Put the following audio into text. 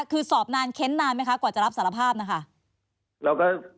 คือสอบนานเค้นนานไหมคะกว่าจะรับสารภาพนะคะ